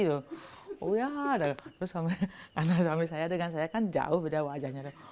oh ya karena suami saya dengan saya kan jauh beda wajahnya